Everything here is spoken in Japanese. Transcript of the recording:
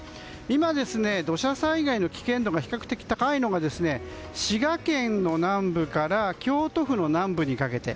今、土砂災害の危険度が比較的高いのが滋賀県の南部から京都府の南部にかけて。